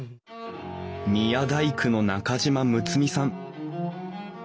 宮大工の中島睦巳さん。